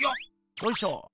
よいしょ！